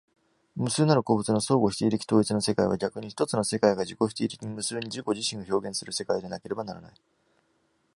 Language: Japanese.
無数なる個物の相互否定的統一の世界は、逆に一つの世界が自己否定的に無数に自己自身を表現する世界でなければならない。